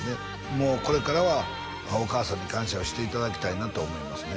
もうこれからはお母さんに感謝をしていただきたいなと思いますね